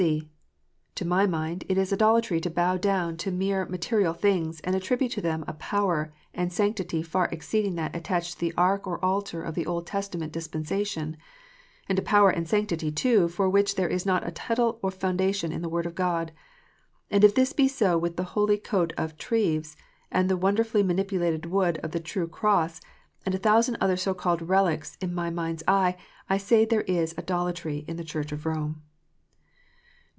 (c) To my mind, it is idolatry to bow down to mere material things, and attribute to them a power and sanctity far exceeding that attached to the ark or altar of the Old Testament dispen sation ; and a power and sanctity, too, for which there is not a tittle of foundation in the Word of God. And if this be so with the holy coat of Treves, and the wonderfully multiplied wood of the true cross, and a thousand other so called relics in my mind s eye, I say there is idolatry in the Church of Home.